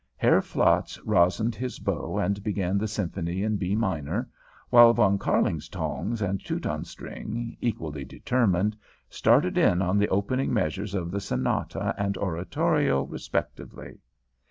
Herr Flatz resined his bow and began the Symphony in B Minor, while Von Kärlingtongs and Teutonstring, equally determined, started in on the opening measures of the Sonata and Oratorio respectively.